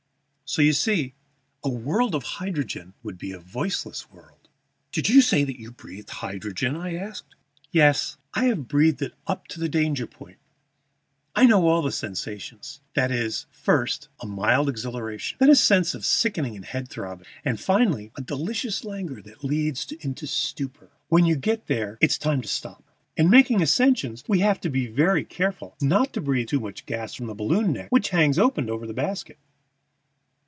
So, you see, a world of hydrogen would be a voiceless world." "Did you say you have breathed hydrogen?" I asked. "Yes; I have breathed it up to the danger point. I know all the sensations. There is first a mild exhilaration, then a sense of sickening and head throbbing, and finally a delicious languor that leads into stupor. When you get there it is time to stop. In making ascensions we have to be very careful not to breathe too much gas from the balloon neck which hangs open over the basket.